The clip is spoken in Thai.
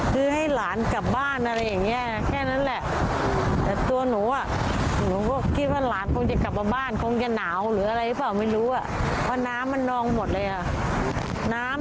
กลับบ้านอาจจะหนาวอะไรหรือเปล่าไม่รู้อะไรอย่างนี้ค่ะ